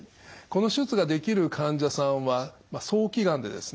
この手術ができる患者さんは早期がんでですね